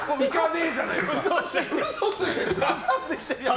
嘘ついてる。